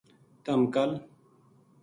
تم کل